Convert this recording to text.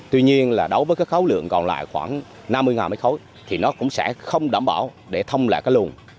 tuy nhiên là đối với cái khấu lượng còn lại khoảng năm mươi m ba thì nó cũng sẽ không đảm bảo để thông lại cái luồng